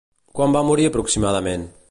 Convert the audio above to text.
Quan va morir aproximadament?